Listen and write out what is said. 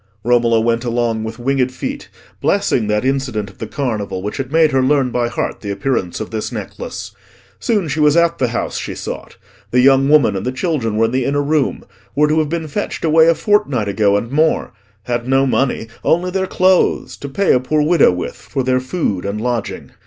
Romola went along with winged feet, blessing that incident of the Carnival which had made her learn by heart the appearance of this necklace. Soon she was at the house she sought. The young woman and the children were in the inner room—were to have been fetched away a fortnight ago and more—had no money, only their clothes, to pay a poor widow with for their food and lodging.